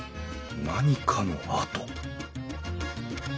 何かの跡？